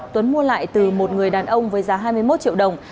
tuấn mua lại từ một người đàn ông với giá hai mươi một triệu đồng